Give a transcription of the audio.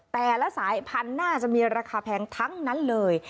แต่ละสายพันธุ์น่าจะมีราคาแพงทั้งนั้นเลย